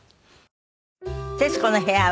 『徹子の部屋』は